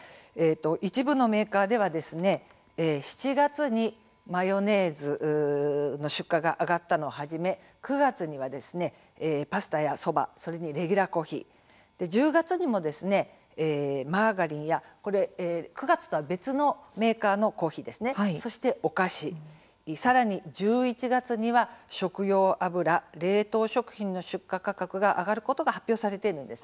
一部のメーカーでは７月にマヨネーズの出荷価格が上がったのをはじめ９月には、パスタやそばそれにレギュラーコーヒー１０月にもマーガリンや９月とは別のメーカーのコーヒー、そしてお菓子、さらに１１月には食用油冷凍食品の出荷価格が上がることが発表されているんです。